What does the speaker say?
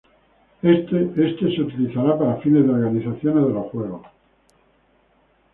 Este se utilizará para fines de organizaciones de los juegos.